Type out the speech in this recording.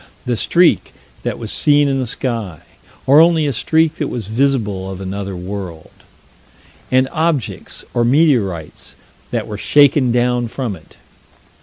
The streak that was seen in the sky or only a streak that was visible of another world and objects, or meteorites, that were shaken down from it.